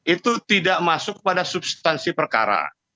itu tidak masuk pada substansi perkara